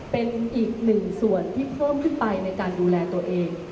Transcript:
เป็นอีกหนึ่งส่วนที่เพิ่มขึ้นไปในการดูแลตัวเอง